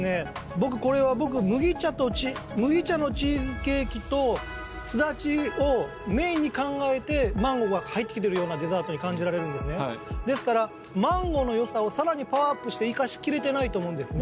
僕これは麦茶と麦茶のチーズケーキとすだちをメインに考えてマンゴーが入ってきてるようなデザートに感じられるんですねですからマンゴーのよさをさらにパワーアップして活かしきれてないと思うんですね